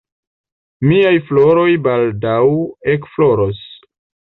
Miaj floroj baldaŭ ekfloros.